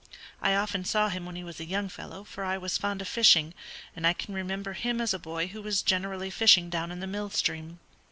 I often saw him when he was a young fellow, for I was fond of fishing, and I can remember him as a boy who was generally fishing down in the mill stream.